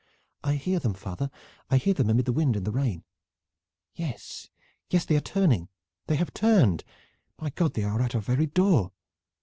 "I hear them, father! I hear them amid the wind and the rain! Yes, yes, they are turning they have turned! My God, they are at our very door!"